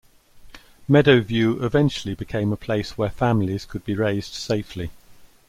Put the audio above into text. Meadowview eventually became a place where families could be raised safely.